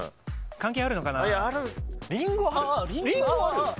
関係あるのかな？